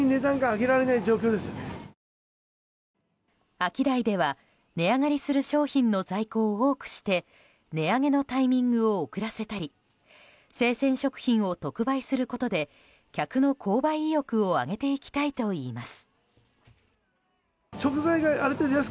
アキダイでは値上がりする商品の在庫を多くして値上げのタイミングを遅らせたり生鮮食品を特売することで客の購買意欲を上げていきたいといいます。